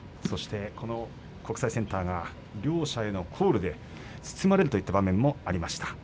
この国際センターが両者へのコールで包まれるといった場面もありました。